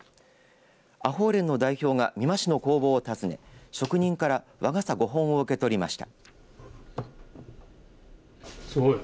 阿呆連の代表が美馬市の工房を訪ね職人から和傘５本を受け取りました。